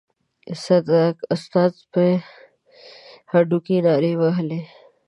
صدک استاد په هډه کې نارې وهلې.